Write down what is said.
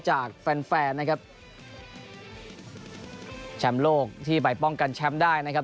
จากแฟนแฟนนะครับแชมป์โลกที่ไปป้องกันแชมป์ได้นะครับ